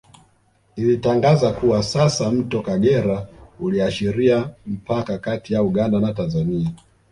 Ilitangaza kuwa sasa Mto Kagera uliashiria mpaka kati ya Uganda na Tanzania